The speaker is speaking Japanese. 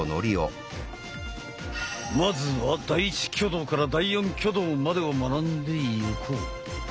まずは第１挙動から第４挙動までを学んでいこう。